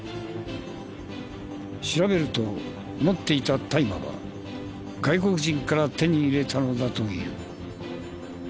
調べると持っていた大麻は外国人から手に入れたのだという。